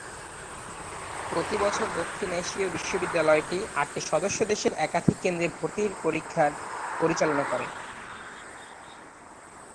প্রতি বছর দক্ষিণ এশীয় বিশ্ববিদ্যালয়টি আটটি সদস্য দেশের একাধিক কেন্দ্রে ভর্তির পরীক্ষা পরিচালনা করে।